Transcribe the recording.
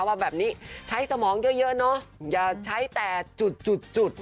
ว่าแบบนี้ใช้สมองเยอะเนอะอย่าใช้แต่จุดจุด